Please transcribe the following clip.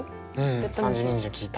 うん３０人以上聞いた。